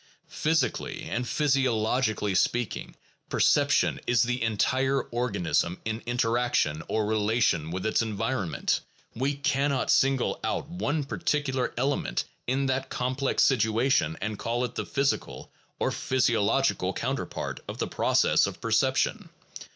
Physically and physiologically speaking, perception is the entire organism in interaction or relation with its environment; we cannot single out one particular element in that complex situation and call it the physical or physiological counterpart of the process of per ception.